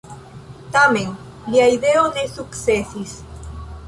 Tamen lia ideo ne sukcesis.